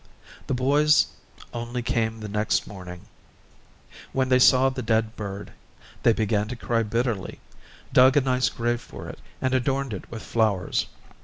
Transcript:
The boys only came the next morning; when they saw the dead bird, they began to cry bitterly, dug a nice grave for it, and adorned it with flowers.